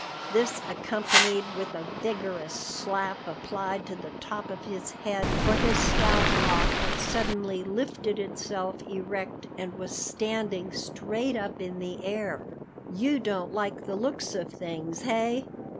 this accompanied with a vigorous slap applied to the top of his head, for his scalp lock had suddenly lifted itself erect and was standing straight up in the air. "You don't like the looks of things, hey?